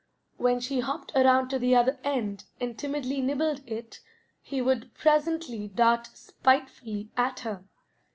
When she hopped around to the other end and timidly nibbled it, he would presently dart spitefully at her.